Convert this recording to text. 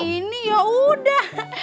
ya ini yaudah